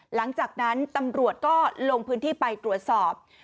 หลังจากนั้นตำรวจก็ลงพื้นที่ไปตรวจสอบ